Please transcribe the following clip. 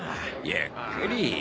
ゆっくり。